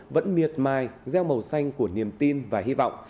vẫn miệt mài gieo màu xanh của niềm tin và hy vọng